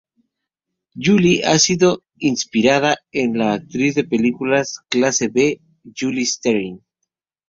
Julie ha sido inspirada en la actriz de películas clase B Julie Strain.